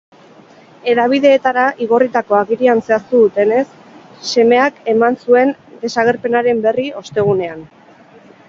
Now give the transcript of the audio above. Hedabideetara igorritako agirian zehaztu dutenez, semeak eman zuen desagerpenaren berri, ostegunean.